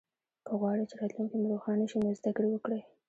که غواړی چه راتلونکې مو روښانه شي نو زده ګړې وکړئ